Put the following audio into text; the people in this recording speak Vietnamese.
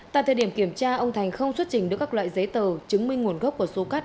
tại thời điểm kiểm tra ông thành không xuất trình được các loại giấy tờ chứng minh nguồn gốc của số cát